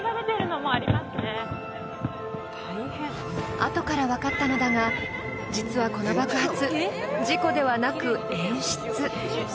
あとから分かったのだが実はこの爆発、事故ではなく演出。